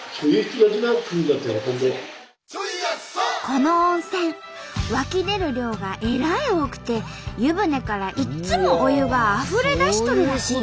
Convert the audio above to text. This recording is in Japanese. この温泉湧き出る量がえらい多くて湯船からいっつもお湯があふれ出しとるらしい。